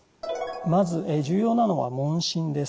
まず重要なのは問診です。